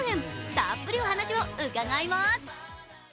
たっぷりお話を伺います。